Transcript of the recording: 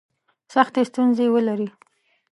سختي ستونزي ولري.